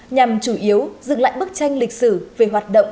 nhằm chủ yếu dừng lại bức tranh lịch sử về hoạt động